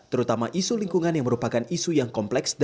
terutama isu lingkungan yang merupakan isu yang kompleks